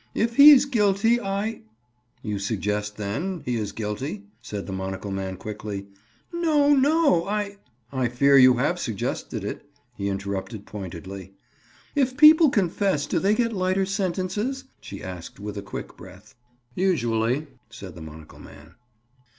"If he's guilty, I—" "You suggest, then, he is guilty?" said the monocle man quickly. "No; no! I—" "I fear you have suggested it," he interrupted pointedly. "If people confess do they get lighter sentences?" she asked with a quick breath. "Usually," said the monocle man.